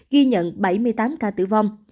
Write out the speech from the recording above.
ghi nhận bảy mươi tám ca tử vong